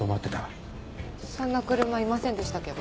そんな車いませんでしたけど。